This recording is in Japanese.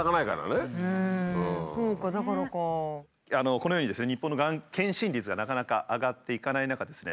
このようにですね日本のがん検診率がなかなか上がっていかない中ですね